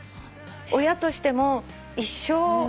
親としても一生残る。